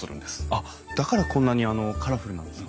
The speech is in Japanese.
あっだからこんなにカラフルなんですか。